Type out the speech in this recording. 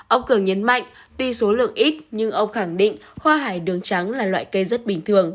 ông cường nhấn mạnh tuy số lượng ít nhưng ông khẳng định hoa hải đường trắng là loại cây rất bình thường